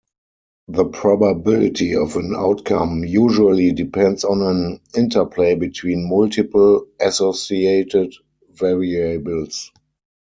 The probability of an outcome usually depends on an interplay between multiple associated variables.